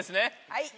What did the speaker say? はい！